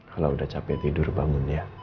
kalau udah capek tidur bangun ya